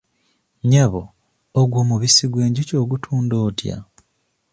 Nnyabo ogwo omubisi gw'enjuki ogutunda otya?